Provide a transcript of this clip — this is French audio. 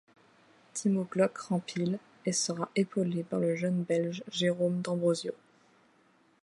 Timo Glock rempile, et sera épaulé par le jeune belge Jérôme d'Ambrosio.